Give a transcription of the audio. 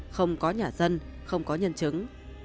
không có nhà dân không có nhân chứng